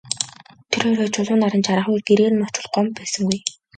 Тэр орой Чулуун наран жаргахын үед гэрээр нь очвол Гомбо байсангүй.